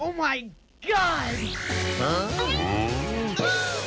โอ้มายก๊อด